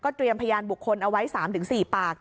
เตรียมพยานบุคคลเอาไว้๓๔ปาก